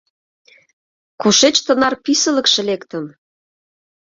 Кушеч тынар писылыкше лектын?